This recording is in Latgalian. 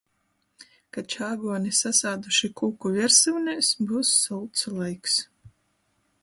Ka čāguoni sasāduši kūku viersyunēs, byus solts laiks.